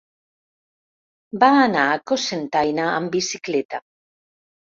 Va anar a Cocentaina amb bicicleta.